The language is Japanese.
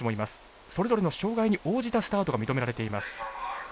それぞれの障がいに応じたスタートが認められています。